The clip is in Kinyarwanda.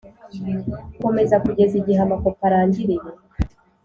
Gukomeza kugeza igihe amakopi arangiriye